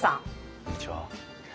こんにちは。